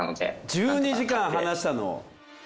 １２時間話したの？